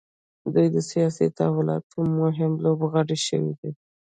دوی د سیاسي تحولاتو مهم لوبغاړي شوي دي.